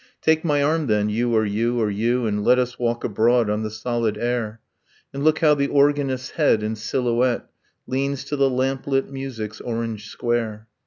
... Take my arm, then, you or you or you, And let us walk abroad on the solid air: Look how the organist's head, in silhouette, Leans to the lamplit music's orange square!